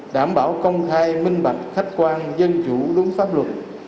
đảm bảo công khai minh bạch khách quan dân chủ đúng pháp luật